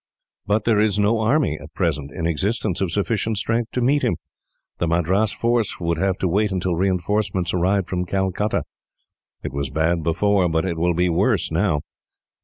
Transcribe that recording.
"But there is no army, at present, in existence of sufficient strength to meet him. The Madras force would have to wait until reinforcements arrived from Calcutta. It was bad before, but it will be worse, now.